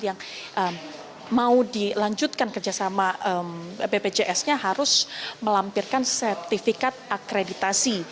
yang mau dilanjutkan kerjasama bpjs nya harus melampirkan sertifikat akreditasi